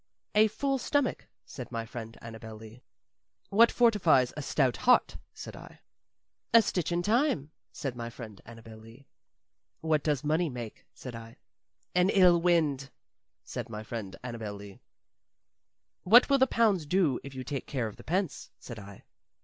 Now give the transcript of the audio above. "A full stomach," said my friend Annabel Lee. "What fortifies a stout heart?" said I. "A stitch in time," said my friend Annabel Lee. "What does money make?" said I. "An ill wind," said my friend Annabel Lee. "What will the pounds do if you take care of the pence?" said I.